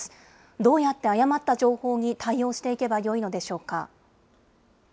どうやって誤った情報に対応していけばよいのでしょうか。